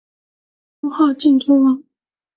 封号靖都王。